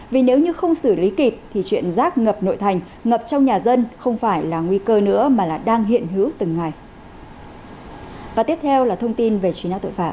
vì nếu như không xử lý kịp thì chuyện rác ngập nội thành ngập trong nhà dân không phải là nguy cơ nữa mà là đang hiện hữu từng ngày